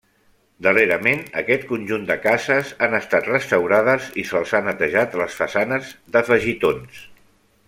Darrerament aquest conjunt de cases han estat restaurades i se'ls ha netejat les façanes d'afegitons.